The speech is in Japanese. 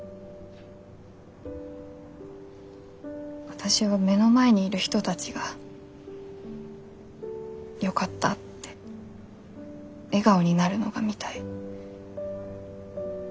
私は目の前にいる人たちがよかったって笑顔になるのが見たい。